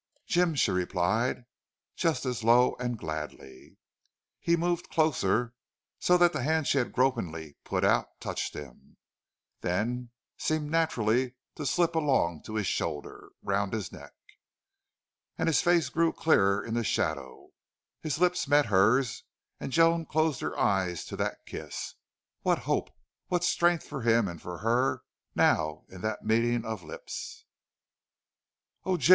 "Jim," she replied, just as low and gladly. He moved closer, so that the hand she had gropingly put out touched him, then seemed naturally to slip along his shoulder, round his neck. And his face grew clearer in the shadow. His lips met hers, and Joan closed her eyes to that kiss. What hope, what strength for him and for her now in that meeting of lips! "Oh, Jim!